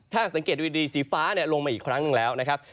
ถ้าสังเกตดูดีสีฟ้าลงมาอีกครั้งนึงแล้ว